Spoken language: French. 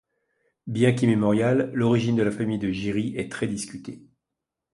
Bien qu'immémoriale, l'origine de la famille de Giry est très discutée.